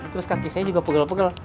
terus kaki saya juga pegel pegel